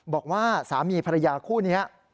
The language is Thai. บอกว่าสามีภรรยาคู่นี้